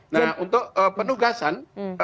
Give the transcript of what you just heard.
nah untuk penugasan